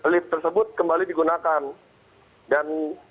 lift tersebut kembali digunakan